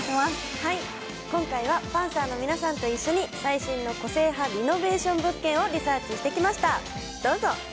今回はパンサーの皆さんと一緒に、最新の個性派リノベーション物件をリサーチしてきました。